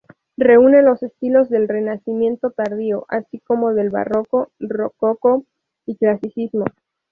Reúne los estilos del Renacimiento tardío, así como del Barroco, Rococó y Clasicismo.